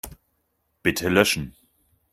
Bitte löschen.